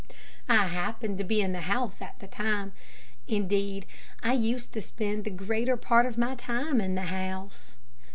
I happened to be in the house at the time. Indeed, I used to spend the greater part of my time in the house.